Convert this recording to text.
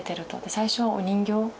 最初はお人形